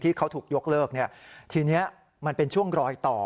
ที่เขาถูกยกเลิกทีนี้มันเป็นช่วงรอยต่อ